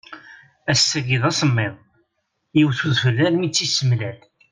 Ass-agi d asemmiḍ, yewwet udfel almi i tt-isemlal.